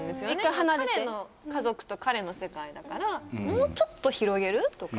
彼の家族と彼の世界だからもうちょっと広げるとか？